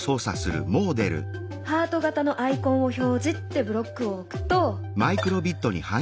「ハート形のアイコンを表示」ってブロックを置くと。